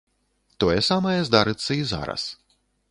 Тое самае здарыцца і зараз.